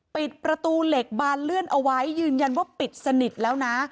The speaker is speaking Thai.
ปิดประตูเหล็กบานเลื่อนเอาไว้ยืนยันว่าปิดสนิทแล้วนะ